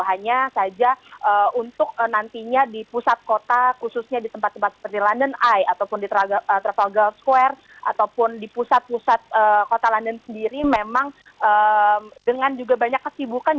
hanya saja untuk nantinya di pusat kota khususnya di tempat tempat seperti london eye ataupun di travel square ataupun di pusat pusat kota london sendiri memang dengan juga banyak kesibukan